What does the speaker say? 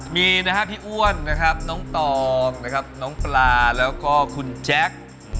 มีพี่อ้วนน้องตอมน้องปลาแล้วก็คุณแจ๊ก